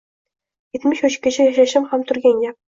Etmish yoshgacha yashashim ham turgan gap